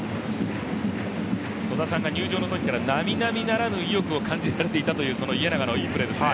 戸田さんが入場のときから並々ならぬ意欲を感じていたという家長のプレーですね。